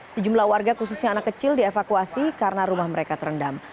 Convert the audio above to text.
sejumlah warga khususnya anak kecil dievakuasi karena rumah mereka terendam